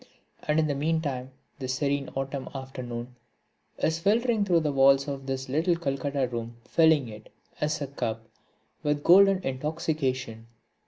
And in the meantime the serene autumn afternoon is filtering through the walls of this little Calcutta room filling it, as a cup, with golden intoxication.